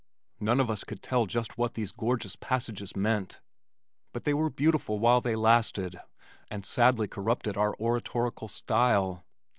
None of us could tell just what these gorgeous passages meant, but they were beautiful while they lasted, and sadly corrupted our oratorical style.